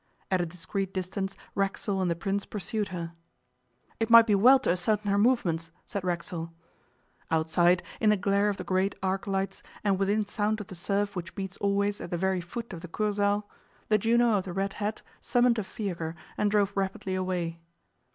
At a discreet distance Racksole and the Prince pursued her. 'It might be well to ascertain her movements,' said Racksole. Outside, in the glare of the great arc lights, and within sound of the surf which beats always at the very foot of the Kursaal, the Juno of the red hat summoned a fiacre and drove rapidly away.